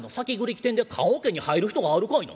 機転で棺桶に入る人があるかいな。